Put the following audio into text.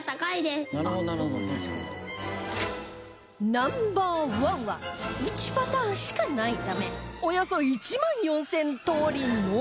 ナンバー１は１パターンしかないためおよそ１万４０００通りのみ